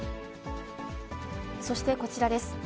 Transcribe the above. そしてこちらです。